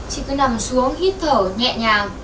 chị cứ nằm xuống hít thở nhẹ nhàng